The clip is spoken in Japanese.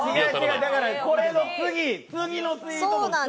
違う、違うだからこれの次のツイート。